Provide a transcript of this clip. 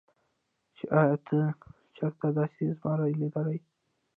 چې ايا تا چرته داسې زمرے ليدلے